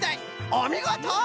おみごと！